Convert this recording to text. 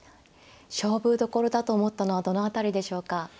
勝負どころだと思ったのはどの辺りでしょうか。